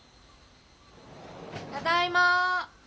ただいま。